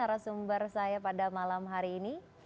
arah sumber saya pada malam hari ini